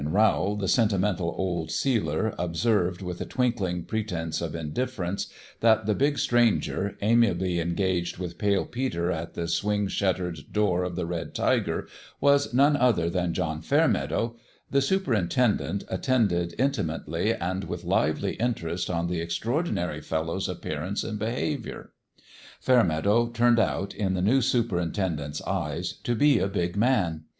When Rowl, the sentimental old sealer, observed, with a twinkling pretense of indifference, that the big stranger, amiably engaged with Pale Peter at the swing shuttered door of the Red Tiger, was none other than John Fairmeadow, the superintendent at tended intimately and with lively interest on the extraordinary fellow's appearance and behaviour. Fairmeadow turned out, in the new superintend ent's eyes, to be a big man.